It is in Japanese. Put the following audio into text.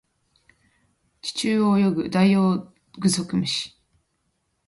地中を泳ぐダイオウグソクムシ